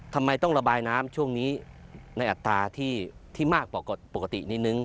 ทำไมต้องระบายน้ำช่วงนี้ในอัตราที่มากกว่าปกตินิดนึง